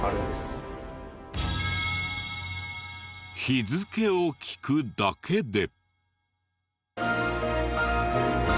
日付を聞くだけで。